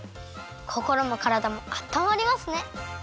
こころもからだもあったまりますね！